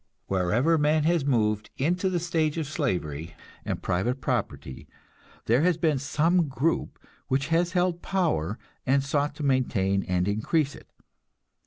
Wherever man has moved into the stage of slavery and private property there has been some group which has held power and sought to maintain and increase it.